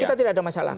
kita tidak ada masalah